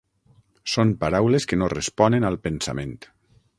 Són paraules que no responen al pensament.